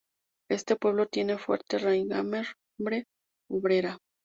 Este pueblo tiene fuerte raigambre obrera.